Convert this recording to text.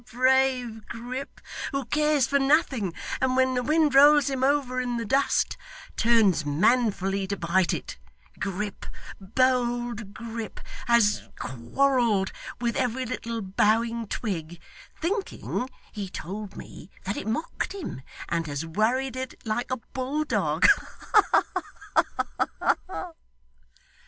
brave Grip, who cares for nothing, and when the wind rolls him over in the dust, turns manfully to bite it Grip, bold Grip, has quarrelled with every little bowing twig thinking, he told me, that it mocked him and has worried it like a bulldog. Ha ha ha!